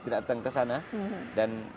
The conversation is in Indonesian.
tidak datang ke sana dan